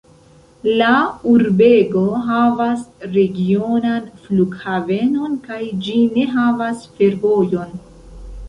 La urbego havas regionan flughavenon kaj ĝi ne havas fervojon.